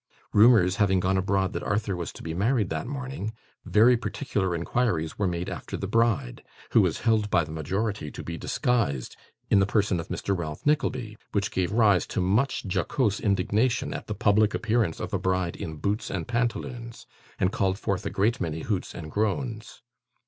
Rumours having gone abroad that Arthur was to be married that morning, very particular inquiries were made after the bride, who was held by the majority to be disguised in the person of Mr. Ralph Nickleby, which gave rise to much jocose indignation at the public appearance of a bride in boots and pantaloons, and called forth a great many hoots and groans.